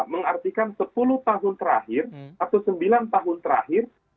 mengartikan sepuluh tahun terakhir atau sembilan tahun terakhir